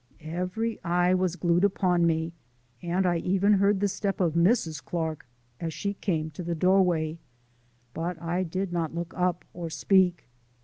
Every eye was glued upon me, and I even heard the step of Mrs. Clark as she came to the but I did not look up or speak.